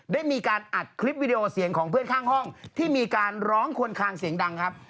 ได้มีการอัดคลิปวิดีโอเสียงของเพื่อนข้างห้องที่มีการร้องควนคางเสียงดังครับ